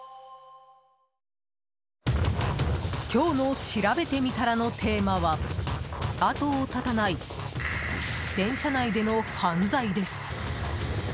今日のしらべてみたらのテーマは後を絶たない電車内での犯罪です。